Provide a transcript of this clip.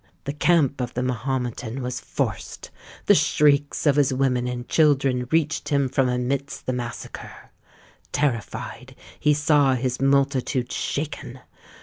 The camp of the Mahometan was forced: the shrieks of his women and children reached him from amidst the massacre; terrified he saw his multitude shaken.